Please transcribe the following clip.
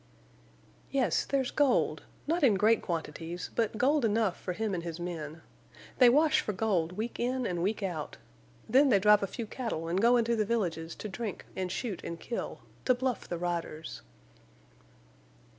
"Yes, there's gold, not in great quantities, but gold enough for him and his men. They wash for gold week in and week out. Then they drive a few cattle and go into the villages to drink and shoot and kill—to bluff the riders."